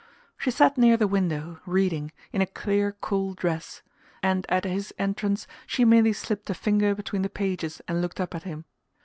She sat near the window, reading, in a clear cool dress: and at his entrance she merely slipped a finger between the pages and looked up at him.